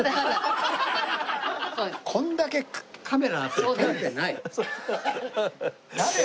これだけカメラあって撮れてない。